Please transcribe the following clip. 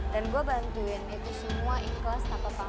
dan gue bantuin itu semua ikhlas tanpa perasaan